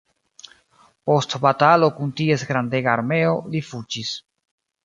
Post batalo kun ties grandega armeo li fuĝis.